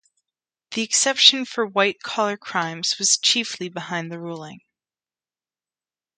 The exception for white collar crimes was chiefly behind the ruling.